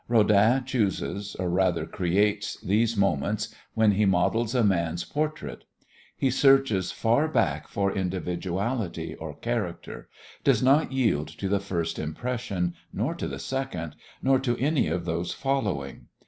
Rodin chooses or rather creates these moments when he models a man's portrait. He searches far back for individuality or character, does not yield to the first impression, nor to the second, nor to any of those following.